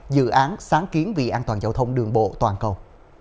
dự án sáng kiến vì an toàn giao thông đường bộ toàn cầu